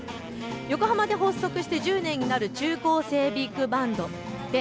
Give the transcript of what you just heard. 横浜で発足して１０年になる中高生ビッグバンドです。